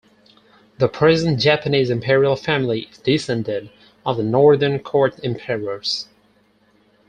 The present Japanese Imperial Family is descended of the Northern Court emperors.